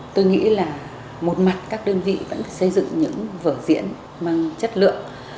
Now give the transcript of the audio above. tôi nghĩ là một mặt các đơn vị vẫn phải xây dựng những vở diễn mang chất lượng